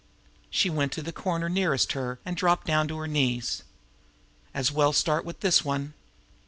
She went to the corner nearest her, and dropped down on her knees. As well start with this one!